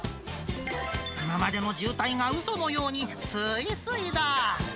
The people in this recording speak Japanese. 今までの渋滞がうそのようにすーいすいだ。